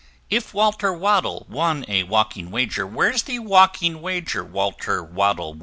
If Walter Waddle won a Walking Wager, Where's the Walking Wager Walter Waddle won?